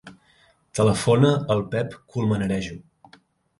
Telefona al Pep Colmenarejo.